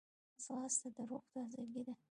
ځغاسته د روح تازګي ده